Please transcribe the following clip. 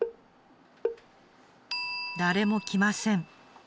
誰も来ません。